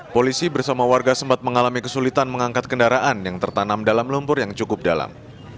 polisi bersama warga sempat mengalami kesulitan mengangkat kendaraan yang tertanam dalam lumpur yang cukup dalam